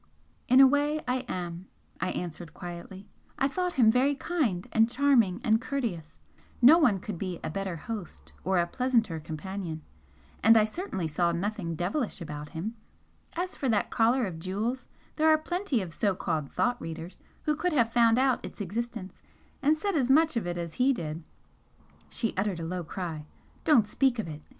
"In a way I am," I answered, quietly "I thought him very kind and charming and courteous no one could be a better host or a pleasanter companion. And I certainly saw nothing 'devilish' about him. As for that collar of jewels, there are plenty of so called 'thought readers' who could have found out its existence and said as much of it as he did " She uttered a low cry. "Don't speak of it!"